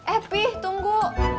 eh pi tunggu